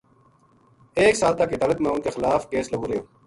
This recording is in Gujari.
ایک سال تک عدالت ما اُنھ کے خلاف کیس لگو رہیو